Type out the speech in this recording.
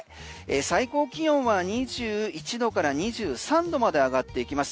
最高気温は２１度から２３度まで上がっていきます。